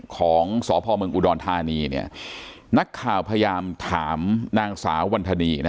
ของสพเมืองอุดรทานีเนี่ยนักข่าวพยายามถามนางสาววรรษณีย์นะ